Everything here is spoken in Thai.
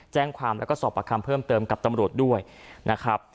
แจ้งความแล้วก็สอบประคำเพิ่มเติมกับตำรวจด้วยนะครับ